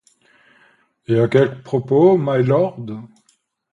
Et à quel propos, mylord?